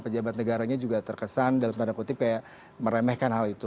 pejabat negaranya juga terkesan dalam tanda kutip kayak meremehkan hal itu